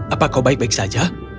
apa kau baik baik saja